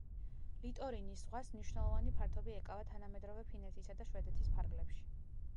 ლიტორინის ზღვას მნიშვნელოვანი ფართობი ეკავა თანამედროვე ფინეთისა და შვედეთის ფარგლებში.